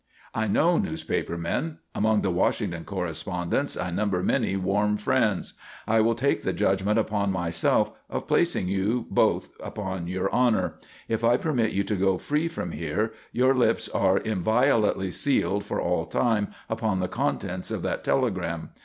"I know newspaper men. Among the Washington correspondents I number many warm friends. I will take the judgment upon myself of placing you both upon your honour. If I permit you to go free from here, your lips are inviolately sealed for all time, upon the contents of that telegram.